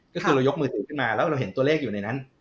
ก็คือเรายกมือถือขึ้นมาแล้วเราเห็นตัวเลขอยู่ในนั้น